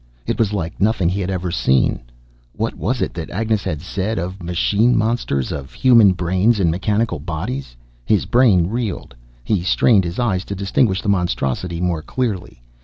It was like nothing he had ever seen. What was it that Agnes had said, of machine monsters, of human brains in mechanical bodies? His brain reeled. He strained his eyes to distinguish the monstrosity more clearly.